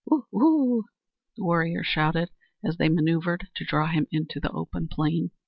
"Woo! woo!" the warriors shouted, as they maneuvered to draw him into the open plain.